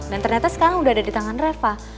dan ternyata sekarang udah ada di tangan reva